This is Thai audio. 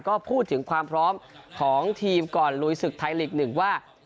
ก็พูดถึงความพร้อมของทีมก่อนลุยศึกไทยลีก๑ว่า